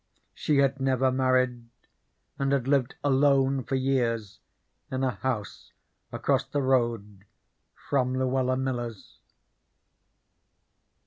She had never married, and had lived alone for years in a house across the road from Luella Miller's.